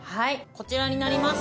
こちらになります。